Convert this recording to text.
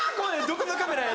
どこのカメラや？